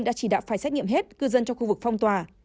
đã chỉ đạo phải xét nghiệm hết cư dân trong khu vực phong tỏa